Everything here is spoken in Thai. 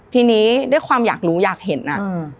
ทีนี้ด้วยความอยากรู้อยากเห็นอ่ะ